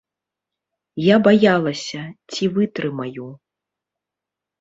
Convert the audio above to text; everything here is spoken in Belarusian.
Я баялася, ці вытрымаю.